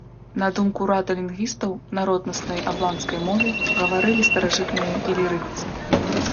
На думку рада лінгвістаў, на роднаснай албанскай мове гаварылі старажытныя ілірыйцы.